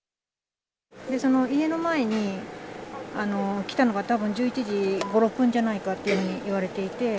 その家の前に、来たのがたぶん１１時５、６分じゃないかといわれていて。